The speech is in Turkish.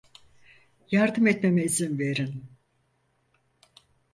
Yardım etmeme izin verin.